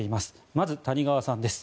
まず谷川さんです。